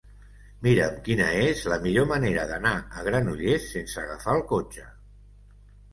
Mira'm quina és la millor manera d'anar a Granollers sense agafar el cotxe.